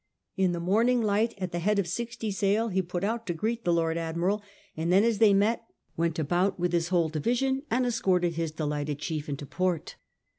In the morning light at the head of sixty sail he put out to greet the Lord Admiral, and then, as they met, went about with his whole division and escorted his delighted chief into port.